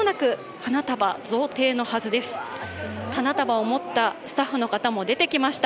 花束を持ったスタッフの方も出てきました。